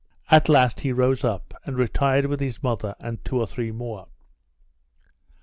At last he rose up, and retired with his mother and two or three more.